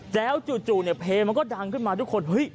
แล้วจู่เพลงมันก็ดังขึ้นมาทุกคน